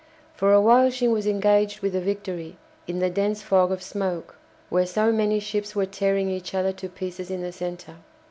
For a while she was engaged with the "Victory" in the dense fog of smoke, where so many ships were tearing each other to pieces in the centre.